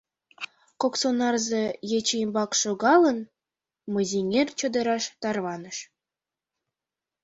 Кок сонарзе, ече ӱмбак шогалын, Мызеҥер чодыраш тарваныш.